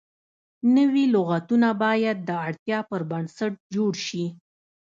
نوي لغتونه باید د اړتیا پر بنسټ جوړ شي.